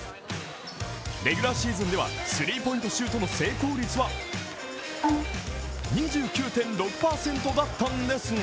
レギュラーシーズンではスリーポイントシュートの成功率は２９．６％だったんですが、